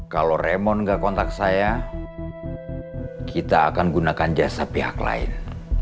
kalau remon nggak kontak saya kita akan gunakan jasa pihak lain